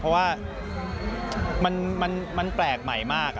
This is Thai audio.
เพราะว่ามันแปลกใหม่มาก